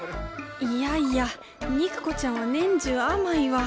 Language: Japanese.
いやいや肉子ちゃんは年中甘いわ！